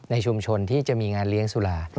ในชุมชนที่จะมีงานเลี้ยงสุรา